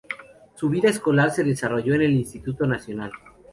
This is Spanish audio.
Su vida escolar se desarrolló en el Instituto Nacional.